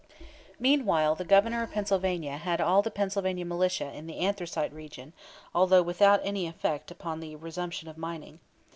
Meanwhile the Governor of Pennsylvania had all the Pennsylvania militia in the anthracite region, although without any effect upon the resumption of mining.